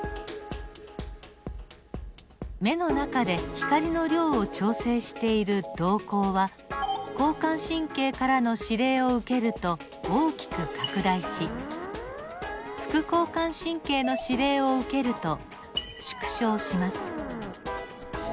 目の中で光の量を調整している瞳孔は交感神経からの指令を受けると大きく拡大し副交感神経の指令を受けると縮小します。